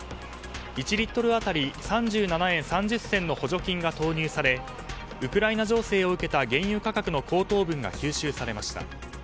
１リットル当たり３７円３０銭の補助金が投入されウクライナ情勢を受けた原油価格の高騰分が吸収されました。